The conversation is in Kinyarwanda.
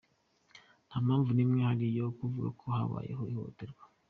Nta mpamvu n’imwe ihari yo kuvuga ko habayeho ihohoterwa.